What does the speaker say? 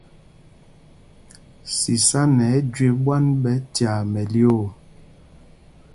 Sisána ɛ jüe ɓwán ɓɛ̄ tyaa mɛlyoo.